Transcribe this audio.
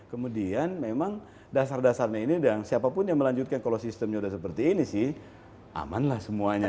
kemudian memang dasar dasarnya ini dan siapapun yang melanjutkan kalau sistemnya sudah seperti ini sih aman lah semuanya